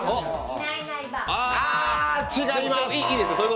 違います。